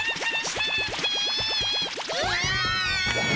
うわ！